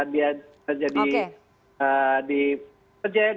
dia sudah jadi di pekerjaan